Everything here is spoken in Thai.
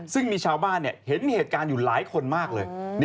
ซึ่งมีชาวบ้านเห็นเหตุการณ์อยู่หลายคนมากเลย